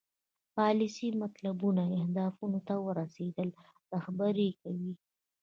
پالیسي مطلوبو اهدافو ته رسیدل رهبري کوي.